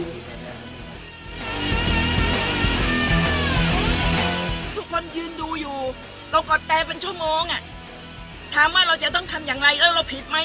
ทุกคนยืนดูอยู่เรากอดแต่เป็นชั่วโมงอ่ะถามว่าเราจะต้องทำอย่างไรแล้วเราผิดไหม